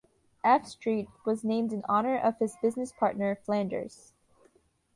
"F Street" was named in honor of his business partner Flanders.